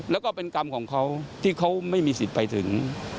แล้วก็เป็นกรรมของเขาที่เขาไม่มีสิทธิ์ไปถึง